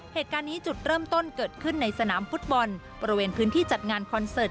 เหตุการณ์นี้จุดเริ่มต้นเกิดขึ้นในสนามฟุตบอลบริเวณพื้นที่จัดงานคอนเสิร์ต